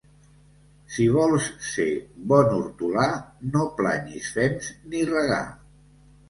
Si vols ser bon hortolà, no planyis fems ni regar.